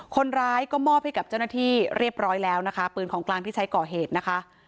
คนร้ายก็มอบให้กับเจ้าหน้าที่เรียบร้อยแล้วนะคะปืนของกลางที่ใช้ก่อเหตุนะคะ